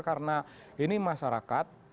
karena ini masyarakat